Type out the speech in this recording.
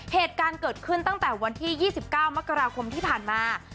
เหตุการณ์เกิดขึ้นตั้งแต่วันที่๒๙มกราคมที่ผ่านมา